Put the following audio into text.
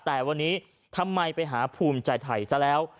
แต่วันนี้ทำไมไปหาภูมิใจไทยซะแล้ว